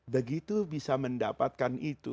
begitu bisa mendapatkan itu